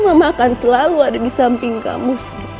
mama makan selalu ada di samping kamu